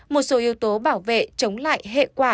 một số yếu tố bảo vệ chống lại hệ quả